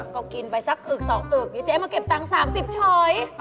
ก็กินไปสักอึกสองอึกนี่เจ๊มาเก็บตัง๓๐ช้อย